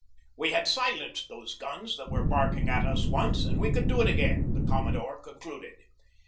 We had silenced those guns that were barking at us once and we could do it again, the commodore concluded.